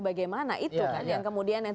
bagaimana itu kan yang kemudian yang